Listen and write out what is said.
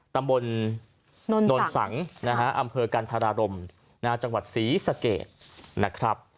ตำบลนนสังนะฮะอำเภอกันธรารมจังหวัดศรีสะเกดนะครับ